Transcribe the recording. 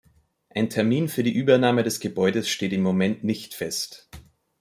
Ein Termin für die Übernahme des Gebäudes steht im Moment nicht fest.